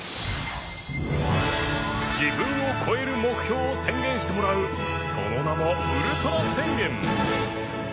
自分を超える目標を宣言してもらうその名も「ウルトラ宣言」